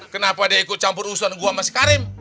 kenapa dia ikut campur urusan gue sama si karim